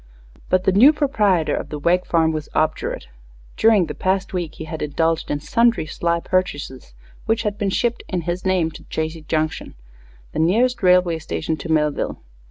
But the new proprietor of the Wegg farm was obdurate. During the past week he had indulged in sundry sly purchases, which had been shipped, in his name to Chazy Junction, the nearest railway station to Millville.